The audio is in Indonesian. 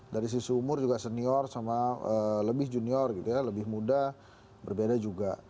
dari sisi umur juga senior sama lebih junior gitu ya lebih muda berbeda juga